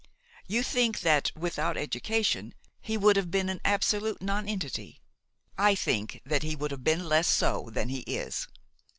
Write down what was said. You think that, without education, he would have been an absolute nonentity; I think that he would have been less so than he is.